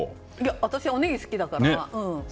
私、おネギが好きだから。